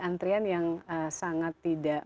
antrian yang sangat tidak